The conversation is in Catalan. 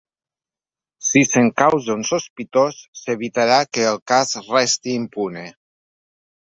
Si s’encausa un sospitós, s’evitarà que el cas resti impune.